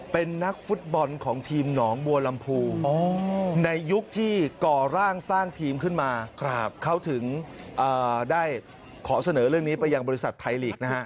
เป็นนักฟุตบอลของทีมหนองบัวลำพูในยุคที่ก่อร่างสร้างทีมขึ้นมาเขาถึงได้ขอเสนอเรื่องนี้ไปยังบริษัทไทยลีกนะฮะ